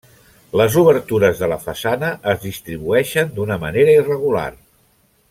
Les obertures de la façana es distribueixen d'una manera irregular.